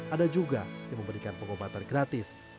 ada juga yang memberikan pengobatan gratis